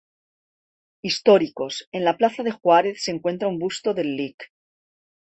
Históricos.- En la plaza de Juárez se encuentra un busto del Lic.